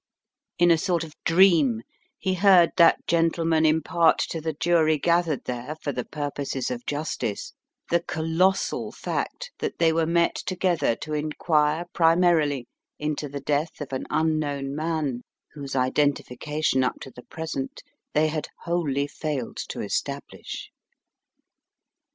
In a sort of dream he heard that gentleman impart to the jury gathered there for the purposes of justice the colossal fact that they were met together to inquire primarily into the death of an unknown man, whose identification, up to the present, they had wholly failed to establish.